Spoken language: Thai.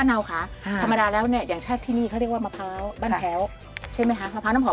ใช่กรุงด้วยแรกงานและสารอาหารเยอะแยะมาก